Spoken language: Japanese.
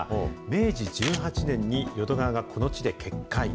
明治１８年に淀川がこの地で決壊。